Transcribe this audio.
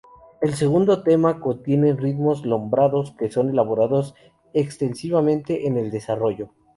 El segundo tema contiene ritmos lombardos que son elaborados extensivamente en el desarrollo.